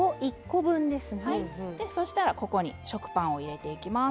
そしたらここに食パンを入れていきます。